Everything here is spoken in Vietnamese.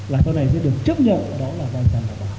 là sau này sẽ được chấp nhận đó là doanh sản phẩm